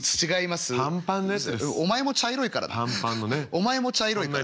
お前も茶色いから。